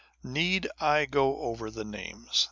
Need I go over the names